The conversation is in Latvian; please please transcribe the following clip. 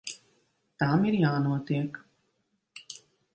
Tam ir jānotiek.